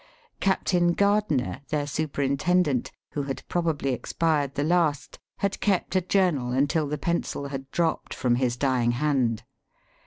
CAPTAIN GARDINER, their super intendent, who had probably expired the last, had kept a journal until the pencil had dropped from his dying hand.